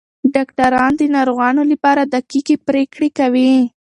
ډاکټران د ناروغانو لپاره دقیقې پریکړې کوي.